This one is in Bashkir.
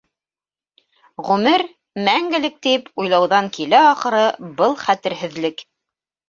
Ғүмер - мәңгелек, тип уйлауҙан килә, ахыры, был хәтерһеҙлек.